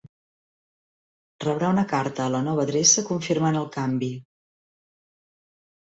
Rebrà una carta a la nova adreça confirmant el canvi.